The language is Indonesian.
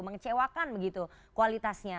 mengecewakan begitu kualitasnya